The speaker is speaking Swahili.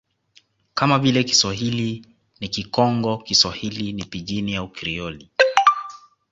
kama vile Kiswahili ni Kikongo Kiswahili ni Pijini au Krioli